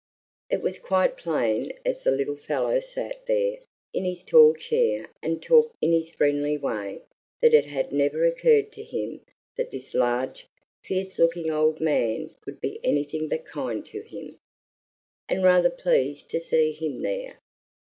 It was quite plain as the little fellow sat there in his tall chair and talked in his friendly way that it had never occurred to him that this large, fierce looking old man could be anything but kind to him, and rather pleased to see him there.